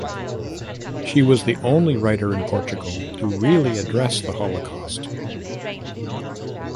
She was the only writer in Portugal to really address the Holocaust.